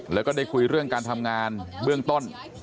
แล้วก็ได้คุยเรื่องการทำงานเบื้องต้น